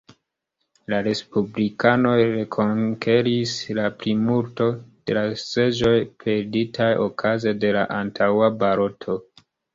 La respublikanoj rekonkeris la plimulto, de la seĝoj perditaj okaze de la antaŭa baloto.